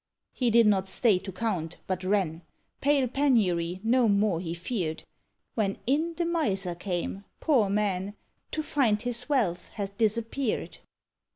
He did not stay to count, but ran; Pale Penury no more he feared. When in the miser came poor man! To find his wealth had disappeared.